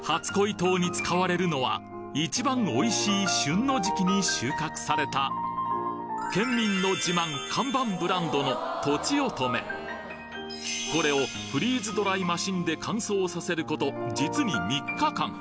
糖に使われるのは一番おいしい旬の時期に収穫された県民の自慢看板ブランドのこれをフリーズドライマシンで乾燥させること実に３日間！